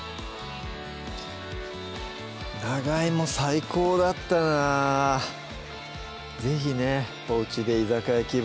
長いも最高だったな是非ねおうちで居酒屋気分